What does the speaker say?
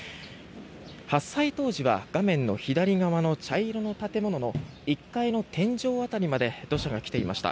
発災当時は画面の左側の茶色の建物の１階の天井辺りまで土砂が来ていました。